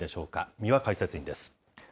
三輪解説委員です。